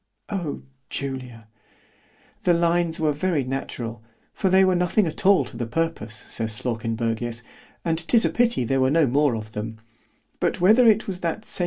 _ 2d. O Julia! The lines were very natural——for they were nothing at all to the purpose, says Slawkenbergius, and 'tis a pity there were no more of them; but whether it was that Seig.